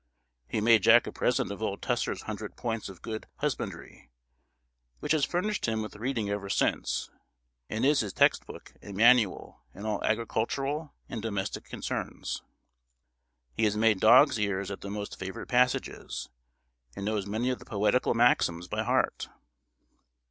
He made Jack a present of old Tusser's Hundred Points of good Husbandrie, which has furnished him with reading ever since, and is his text book and manual in all agricultural and domestic concerns. He has made dog's ears at the most favourite passages, and knows many of the poetical maxims by heart.